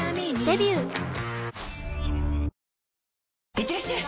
いってらっしゃい！